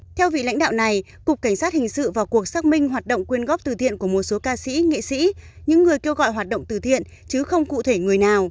theo vị lãnh đạo này cục cảnh sát hình sự vào cuộc xác minh hoạt động quyên góp từ thiện của một số ca sĩ nghệ sĩ